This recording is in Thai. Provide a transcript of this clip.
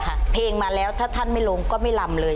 ค่ะเพลงมาแล้วท่านไม่ลงก็ไม่รำเลย